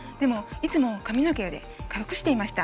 いつも髪の毛で隠していました。